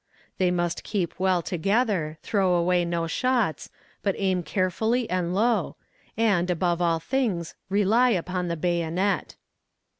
They must keep well together, throw away no shots, but aim carefully and low, and, above all things, rely upon the bayonet.